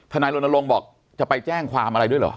นายรณรงค์บอกจะไปแจ้งความอะไรด้วยเหรอ